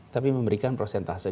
tapi memberikan prosentase